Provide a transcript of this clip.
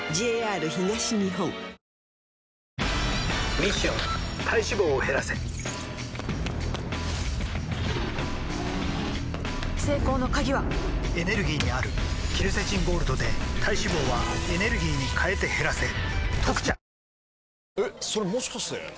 ミッション体脂肪を減らせ成功の鍵はエネルギーにあるケルセチンゴールドで体脂肪はエネルギーに変えて減らせ「特茶」